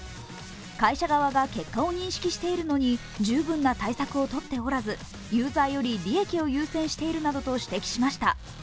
会社側が結果を認識しているのに十分な対策をとっておらずユーザーより利益を優先しているなどと指摘しました。